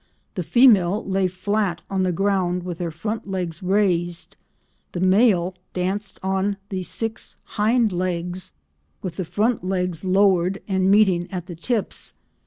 The female lay flat on the ground with her front legs raised; the male danced on the six hind legs, with the front legs lowered and meeting at the tips.